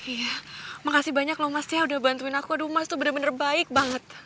iya makasih banyak loh mas ya udah bantuin aku aduh mas tuh bener bener baik banget